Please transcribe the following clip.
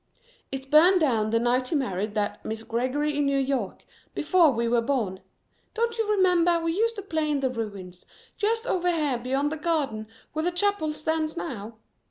It burned down the night he married that Miss Gregory in New York, before we were born. Don't you remember we used to play in the ruins, just over here beyond the garden where the chapel stands now?